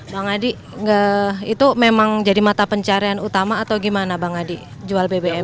bang adi itu memang jadi mata pencarian utama atau gimana bang adi jual bbm